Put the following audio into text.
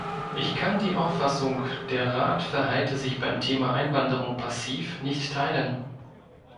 Ich kann die Auffassung, der Rat verhalte sich beim Thema Einwanderung passiv, nicht teilen.